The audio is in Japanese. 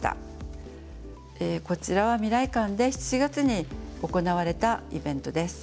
こちらは未来館で７月に行われたイベントです。